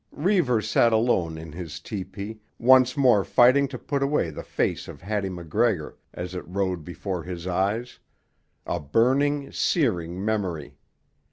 Reivers sat alone in his tepee, once more fighting to put away the face of Hattie MacGregor as it rode before his eyes, a burning, searing memory.